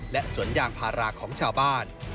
และสวนยางพาราของชาวบ้าน